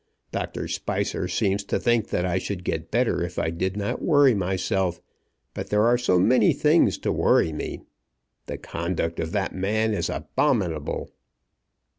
Doctor Spicer seems to think that I should get better if I did not worry myself; but there are so many things to worry me. The conduct of that man is abominable."